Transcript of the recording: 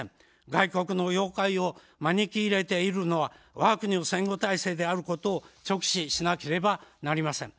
外国のようかいを招き入れているのは、わが国の戦後体制であることを直視しなければなりません。